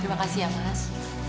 terima kasih ya mas